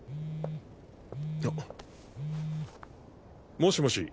もしもし。